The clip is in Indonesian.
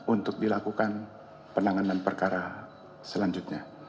untuk dilakukan penanganan perkara selanjutnya